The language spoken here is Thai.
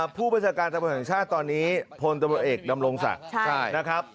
ผู้บริษัการณ์ตำรวจแห่งชาติปลตำรวจเอกดำรงศักดิ์นะครับ